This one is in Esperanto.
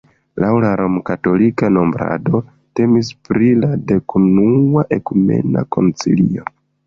Laŭ la romkatolika nombrado temis pri la dekunua ekumena koncilio.